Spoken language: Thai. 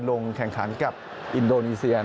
ลงแข่งขันกับอินโดนีเซีย